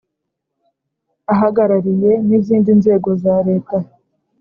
ahagarariye n izindi nzego za Leta